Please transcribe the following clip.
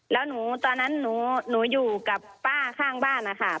แล้วหนูตอนนั้นหนูอยู่กับป้าข้างบ้านนะคะ